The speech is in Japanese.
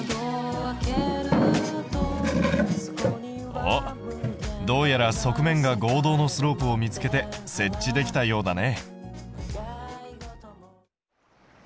おっどうやら側面が合同のスロープを見つけて設置できたようだね。